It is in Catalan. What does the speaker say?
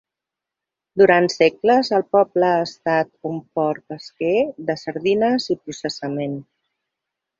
Durant segles el poble ha estat un port pesquer de sardines i processament.